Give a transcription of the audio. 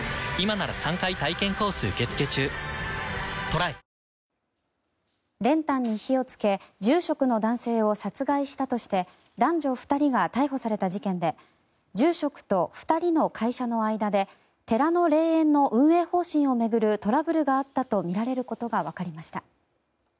練炭２８個が置かれた納骨堂で練炭に火をつけ住職の男性を殺害したとして男女２人が逮捕された事件で住職と２人の会社の間で寺の霊園の運営方針を巡るトラブルがあったとみられることがわかりました。